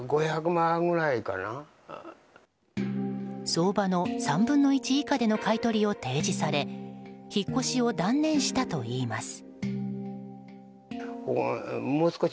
相場の３分の１以下での買い取りを提示され引っ越しを断念したといいます。